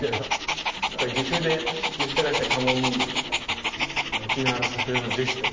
あと岐阜から来たカモミールとか沖縄の桜の樹皮とか。